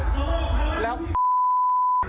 พี่น้องแบบนี้มีความเดือดร้อนของพี่น้องแบบนี้